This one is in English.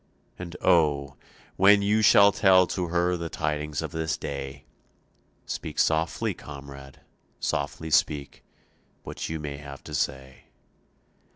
And oh, when you shall tell to her The tidings of this day, Speak softly, comrade, softly speak What you may have to say.